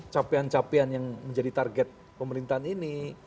capean capean yang menjadi target pemerintahan ini